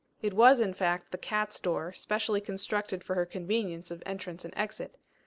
It was, in fact, the cat's door, specially constructed for her convenience of entrance and exit.